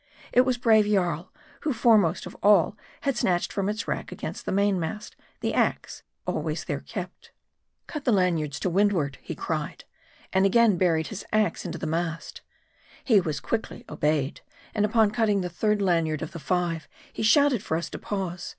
It was brave Jarl, who foremost of all had snatched from its rack against the mainmast, the ax, always there kept. " Cut the lanyards to windward!" he cried; and again buried his ax into the mast. He was quickly obeyed. And upon cutting the third lanyard of the five, he shouted for us to pause.